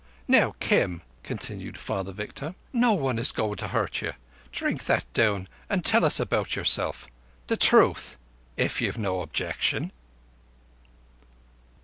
Now, Kim," continued Father Victor, "no one is going to hurt you. Drink that down and tell us about yourself. The truth, if you've no objection."